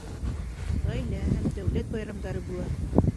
Ғаилә һәм дәүләт байрамдары була